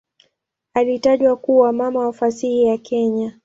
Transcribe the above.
Alitajwa kuwa "mama wa fasihi ya Kenya".